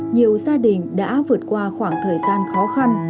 nhiều gia đình đã vượt qua khoảng thời gian khó khăn